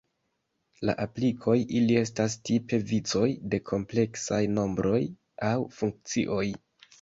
En aplikoj, ili estas tipe vicoj de kompleksaj nombroj aŭ funkcioj.